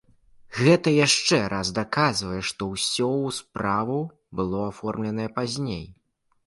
Гэта яшчэ раз даказвае, што ўсё ў справу было аформленае пазней.